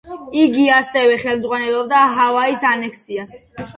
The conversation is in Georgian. იგი ასევე ხელმძღვანელობდა ჰავაის ანექსიას.